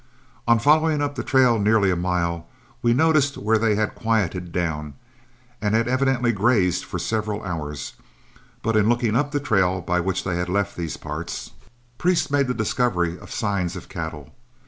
On following up the trail nearly a mile, we noticed where they had quieted down and had evidently grazed for several hours, but in looking up the trail by which they had left these parts, Priest made the discovery of signs of cattle.